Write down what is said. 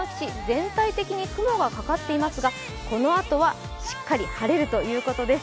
全体的に雲がかかっていますがこのあとはしっかり晴れるということです。